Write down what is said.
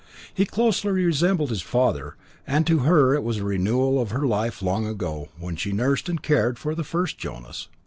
He closely resembled his father, and to her it was a renewal of her life long ago, when she nursed and cared for the first Jonas.